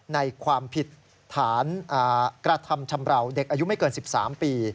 ในความผิดฐานกระทำชำราวเด็กอายุไม่เกิน๑๓ปี